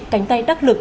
cánh tay đắc lực